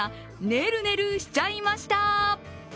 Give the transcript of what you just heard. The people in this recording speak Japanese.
ねるねるしちゃいました。